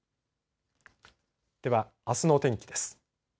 では、あすの天気です。